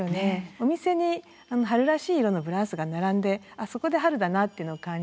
お店に春らしい色のブラウスが並んでそこで春だなっていうのを感じ